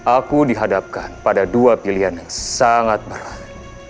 aku dihadapkan pada dua pilihan yang sangat berat